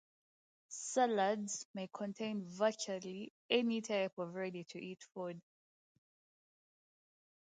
Salads may contain virtually any type of ready-to-eat food.